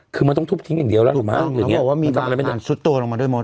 คือมันต้องทุบทิ้งอย่างเดียวล่ะถูกต้อง